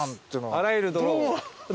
あらゆるドローンを。